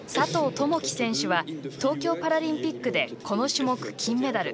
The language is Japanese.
友祈選手は東京パラリンピックでこの種目、金メダル。